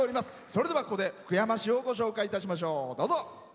それでは、ここで福山市をご紹介いたしましょう。